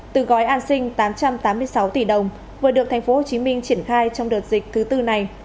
từ gói an sinh tám trăm tám mươi sáu tỷ đồng vừa được tp hcm triển khai trong đợt dịch thứ tư này